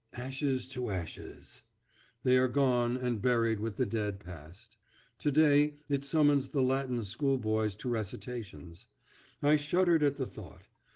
Ashes to ashes! They are gone and buried with the dead past. To day it summons the Latin School boys to recitations. I shuddered at the thought.